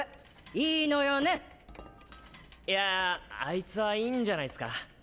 いやアイツはいいんじゃないっスか？